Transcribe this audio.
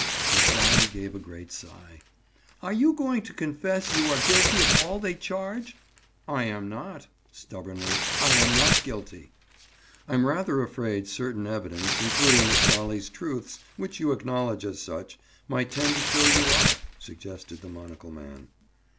Miss Dolly gave a great sigh. "Are you going to confess you are guilty of all they charge?" "I am not." Stubbornly. "I am not guilty." "I'm rather afraid certain evidence, including Miss Dolly's truths, which you acknowledge as such, might tend to show you are," suggested the monocle man.